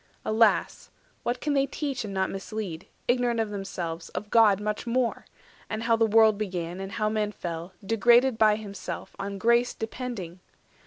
Alas! what can they teach, and not mislead, Ignorant of themselves, of God much more, 310 And how the World began, and how Man fell, Degraded by himself, on grace depending?